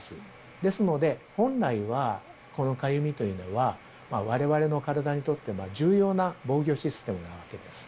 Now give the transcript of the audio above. ですので、本来はこのかゆみというのは、われわれの体にとって、重要な防御システムなわけです。